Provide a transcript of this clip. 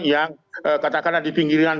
yang katakanlah di pinggiran